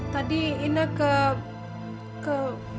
tadi ina ke ke